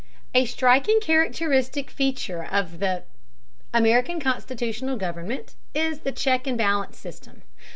A striking characteristic feature of American constitutional government is the check and balance system.